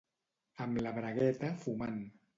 Amb la bragueta fumant.